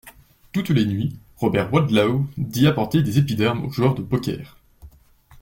Toutes les nuits, Robert Wadlow dit apporter des épidermes au joueur de poker!